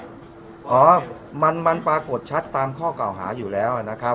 อ๋อขออนุญาตเป็นในเรื่องของการสอบสวนปากคำแพทย์ผู้ที่เกี่ยวข้องให้ชัดแจ้งอีกครั้งหนึ่งนะครับ